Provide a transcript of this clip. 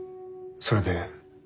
それで？